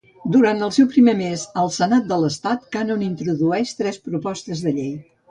Durant el seu primer mes al senat de l'estat, Cannon introdueix tres propostes de llei.